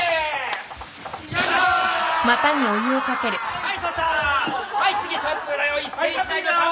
はい。